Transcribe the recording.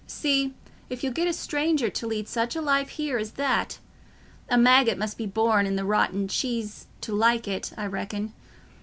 See if you'll get a stranger to lead such a life here as that: a maggot must be born i' the rotten cheese to like it, I reckon.